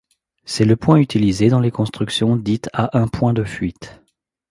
C'est le point utilisé dans les constructions dites à un point de fuite.